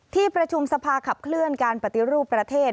ที่ประชุมสภาขับเคลื่อนการปฏิรูปประเทศ